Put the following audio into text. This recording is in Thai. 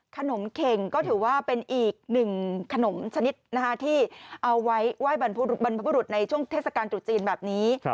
ขนมเข็งก็ถือว่าเป็นอีกหนึ่งขนมชนิดที่เอาไว้ไหว้บรรพบุรุษในช่วงเทศกาลตรุษจีนแบบนี้